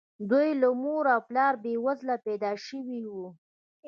دوی له مور او پلاره بې وزله پيدا شوي وو.